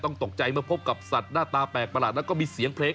ตกใจเมื่อพบกับสัตว์หน้าตาแปลกประหลาดแล้วก็มีเสียงเพลง